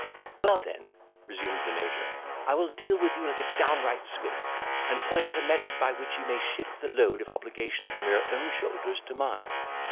"Well then," resumed the Major, "I will deal with you like a downright Swiss, and point out a method by which you may shift the load of obligation from your own shoulders to mine.